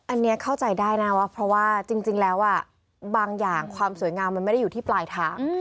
อันนี้เข้าใจได้นะว่าเพราะว่าจริงแล้วบางอย่างความสวยงามมันไม่ได้อยู่ที่ปลายทาง